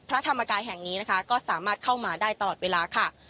พระธรรมกายแห่งนี้นะคะก็สามารถเข้ามาได้ตลอดเวลาค่ะ